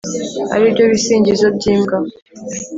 ari byo bisingizo by’imbwa